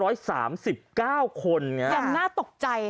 อย่างน่าตกใจค่ะ